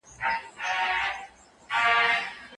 کوربه هیواد کلتوري تبادله نه دروي.